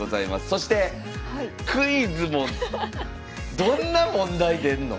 そしてクイズもどんな問題出んの？